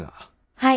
はい。